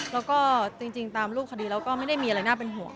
แล้วก็จริงตามรูปคดีแล้วก็ไม่ได้มีอะไรน่าเป็นห่วง